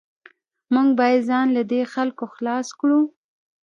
موږ باید ځان له دې خلکو خلاص کړو